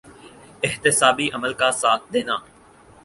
احتسابی عمل کا ساتھ دینا۔